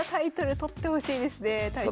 取ってほしいですね。